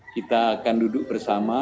kita akan duduk bersama